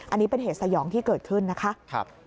อันนี้เป็นเหตุสยองที่เกิดขึ้นนะคะ